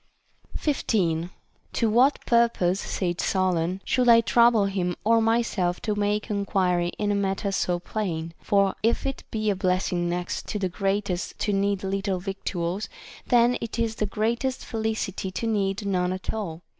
15. To what purpose, said Solon, should I trouble him or myself to make enquiry in a matter so plain ? For if it be a blessing next to the greatest to need little victuals, then it is the greatest felicity to need none at all.